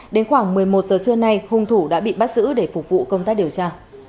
đến khoảng một mươi một giờ trưa nay hung thủ đã bị bắt giữ để phục vụ công tác điều tra